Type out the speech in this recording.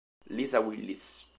Lisa Willis